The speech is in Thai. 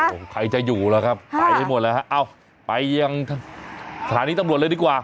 โอ้โหใครจะอยู่ล่ะครับไปได้หมดแล้วฮะเอ้าไปยังสถานีตำรวจเลยดีกว่า